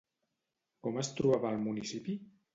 Com es trobava el municipi?